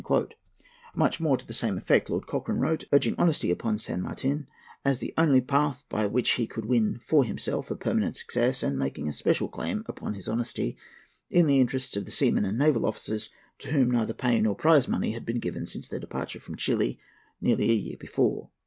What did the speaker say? Much more to the same effect Lord Cochrane wrote, urging honesty upon San Martin as the only path by which he could win for himself a permanent success, and making a special claim upon his honesty in the interests of the seamen and naval officers, to whom neither pay nor prize money had been given since their departure from Chili nearly a year before.